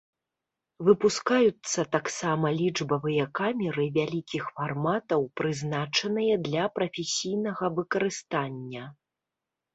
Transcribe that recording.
Выпускаюцца таксама лічбавыя камеры вялікіх фарматаў, прызначаныя для прафесійнага выкарыстання.